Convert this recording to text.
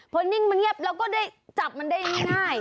พอนิ่งมันเงียบเราก็ได้จับมันได้ง่าย